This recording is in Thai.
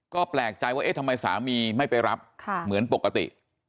ก็แปลกใจว่าเอ๊ะทำไมสามีไม่ไปรับเหมือนปกติ